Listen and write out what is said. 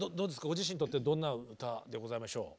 ご自身にとってどんな歌でございましょう？